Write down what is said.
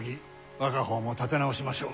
我が方も立て直しましょう。